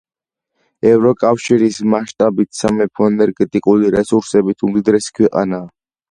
ევროკავშირის მასშტაბით სამეფო ენერგეტიკული რესურსებით უმდიდრესი ქვეყანაა.